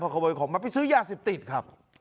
พอขโมยของมาไปซื้อย่า๑๐ติดครับ